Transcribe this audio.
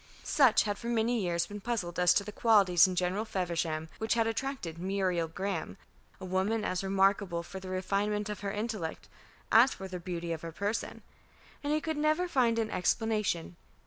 Sutch had for many years been puzzled as to the qualities in General Feversham which had attracted Muriel Graham, a woman as remarkable for the refinement of her intellect as for the beauty of her person; and he could never find an explanation.